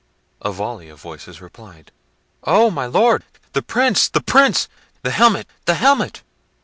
A volley of voices replied, "Oh! my Lord! the Prince! the Prince! the helmet! the helmet!"